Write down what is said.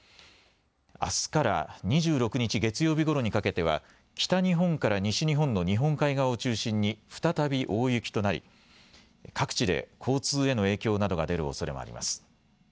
あすから２６日、月曜日ごろにかけては北日本から西日本の日本海側を中心に再び大雪となり各地で交通への影響などが出るおそれもあります。